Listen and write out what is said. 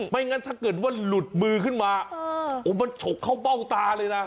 งั้นถ้าเกิดว่าหลุดมือขึ้นมาโอ้มันฉกเข้าเบ้าตาเลยนะ